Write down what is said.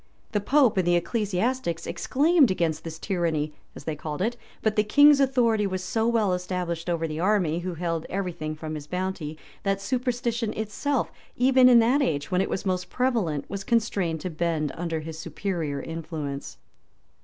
[*] The pope and the ecclesiastics exclaimed against this tyranny, as they called it; but the king's authority was so well established over the army, who held every thing from his bounty, that superstition itself, even in that age, when it was most prevalent, was constrained to bend under his superior influence.